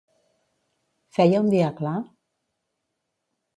Feia un dia clar?